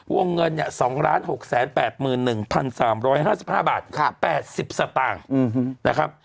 วงเงินเนี่ย๒๖๘๑๓๕๕บาท๘๐สตางค์นะครับ